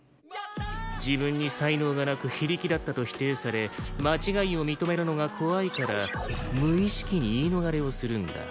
自分に才能がなく非力だったと否定され間違いを認めるのが怖いから無意識に言い逃れをするんだ。